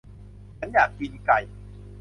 ฉันอยากกินไก่